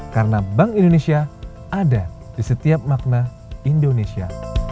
karena bank indonesia ada di setiap makna indonesia